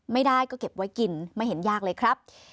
ไม่ได้ก็เก็บไว้กินไม่เห็นยากเลยครับ